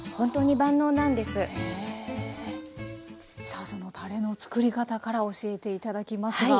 さあそのたれの作り方から教えて頂きますが。